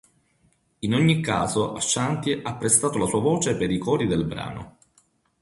In ogni caso Ashanti ha prestato la sua voce per i cori del brano.